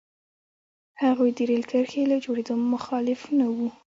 هغوی د رېل کرښې له جوړېدو مخالف نه وو.